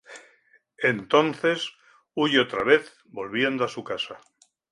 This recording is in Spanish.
Entonces huye otra vez, volviendo a su casa.